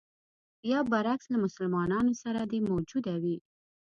یا برعکس له مسلمانانو سره دې موجوده وي.